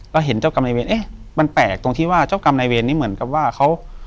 เราเห็นเจ้ากรรมนายเวรเอ๊ะมันแปลกตรงที่ว่าเจ้ากรรมนายเวรนี่เหมือนกับว่าเขา